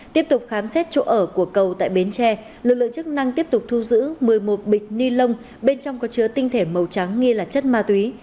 tiếp tục khám xét chỗ ở của cầu tại bến tre lực lượng chức năng tiếp tục thu giữ một mươi một bịch ni lông bên trong có chứa tinh thể màu trắng nghi là chất ma túy